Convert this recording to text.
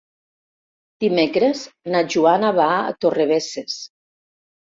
Dimecres na Joana va a Torrebesses.